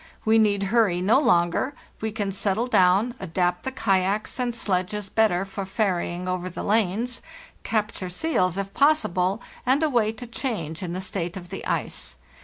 We need hurry no longer; we can settle down, adapt the kayaks and sledges better for ferrying over the lanes, capture seals if possible, and await a change in the state of the ice.